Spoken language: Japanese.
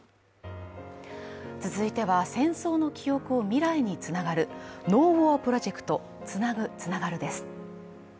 続いては、戦争の記憶を未来につなぐ「ＮＯＷＡＲプロジェクトつなぐ、つながる」です。